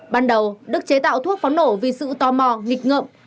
ban đầu đức chế tạo thuốc pháo nổ vì sự tò mò nghịch ngợm